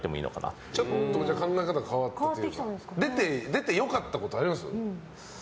出てよかったことあります？